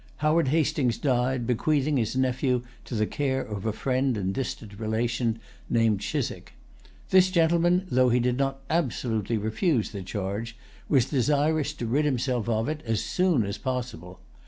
Howard Hastings died, bequeathing his nephew to the care of a friend and distant relation, named Chiswick. This gentleman, though he did not absolutely refuse the charge, was desirous to rid himself of it as soon as possible.